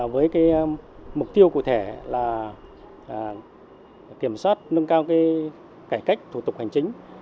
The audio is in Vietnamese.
với mục tiêu cụ thể là kiểm soát nâng cao cải cách thủ tục hành chính